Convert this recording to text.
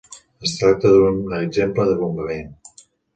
Es tracta d'un exemple de bombament.